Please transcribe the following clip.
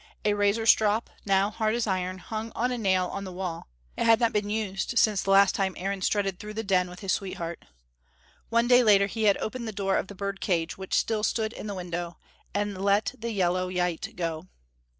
A razor strop, now hard as iron, hung on a nail on the wall; it had not been used since the last time Aaron strutted through the Den with his sweetheart. One day later he had opened the door of the bird cage, which still stood in the window, and let the yellow yite go.